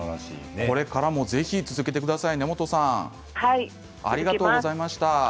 これからも続けてください。